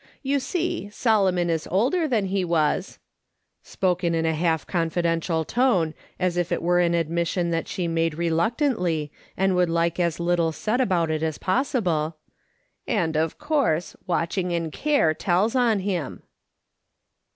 You see, Solomon is older than he was" — spoken in a half confidential tone, as if it were an admission that she made reluctantly, and would like as little said about it as possible —" and, of course, watching and care tells on him."